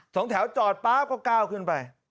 สองแถวจอดป๊าบก็ก้าวขึ้นไป